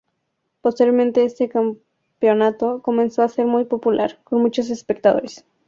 Posteriormente este campeonato comenzó a ser muy popular, con muchos espectadores.